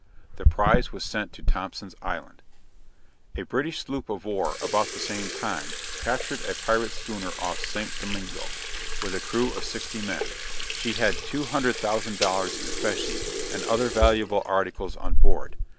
The prize was sent to Thompson's Island." A British sloop of war, about the same time, captured a pirate schooner off St. Domingo, with a crew of 60 men. She had 200,000 dollars in specie, and other valuable articles on board.